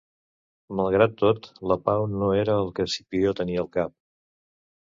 Malgrat tot, la pau no era el que Escipió tenia al cap.